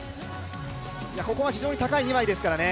ここは非常に高い二枚ですからね。